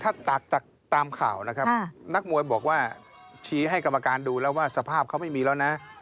ถ้าจากตามข่าวนะครับนักมวยบอกว่าชี้ให้กรรมการดูแล้วว่าสภาพเขาไม่มีแล้วนะ